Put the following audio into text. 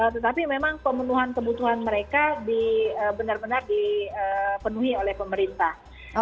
tetapi memang pemenuhan kebutuhan mereka benar benar dipenuhi oleh pemerintah